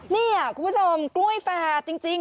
นี่คุณผู้ชมกล้วยแฟร์จริง